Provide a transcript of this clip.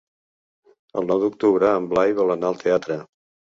El nou d'octubre en Blai vol anar al teatre.